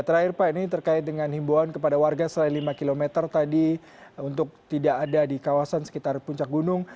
terakhir pak ini terkait dengan himbuan kepada warga selain lima km tadi untuk tidak ada di kawasan sekitar puncak gunung